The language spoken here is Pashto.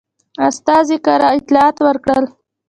استازي کره اطلاعات ورکړل.